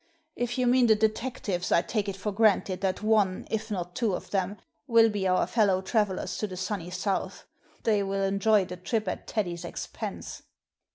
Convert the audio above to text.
" If you mean the detectives, I take it for granted that one, if not two of them, will be our fellow travellers to the sunny South. They will enjoy the trip at Teddy's expense."